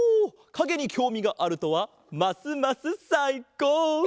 かげにきょうみがあるとはますますさいこう！